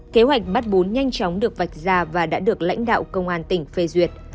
kế hoạch bắt bốn nhanh chóng được vạch ra và đã được lãnh đạo công an tỉnh phê duyệt